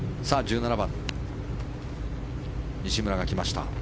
１７番、西村が来ました。